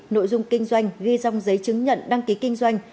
nội dung kinh doanh ghi rong giấy chứng nhận đăng ký kinh doanh